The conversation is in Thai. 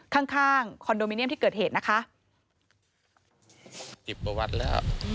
ข้างคอนโดมิเนียมที่เกิดเหตุนะคะ